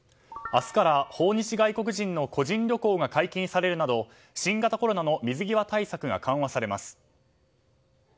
明日から訪日外国人の個人旅行が解禁されるなど、新型コロナの水際対策が緩和されます。